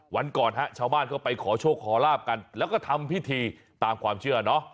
วันก่อนฮะชาวบ้านเข้าไปขอโชคขอลาบกันแล้วก็ทำพิธีตามความเชื่อเนอะ